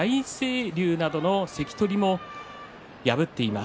明瀬山、大成龍などの関取も破っています。